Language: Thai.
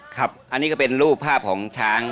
ครับอันนี้ก็เป็นรูปภาพของช้าง